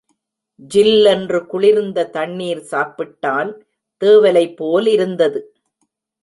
ஜில்லென்று குளிர்ந்த தண்ணீர் சாப்பிட்டால் தேவலைபோல் இருந்தது.